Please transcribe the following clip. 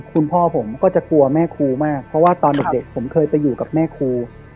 คุณพ่อผมก็จะกลัวแม่ครูมากเพราะว่าตอนเด็กผมเคยไปอยู่กับแม่ครู